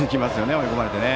追い込まれてね。